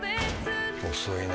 遅いな。